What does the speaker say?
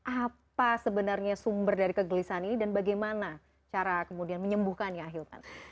apa sebenarnya sumber dari kegelisahan ini dan bagaimana cara kemudian menyembuhkannya ahilman